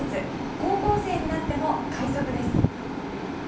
高校生になっても快足です。